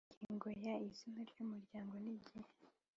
Ingingo ya izina ry umuryango n igihe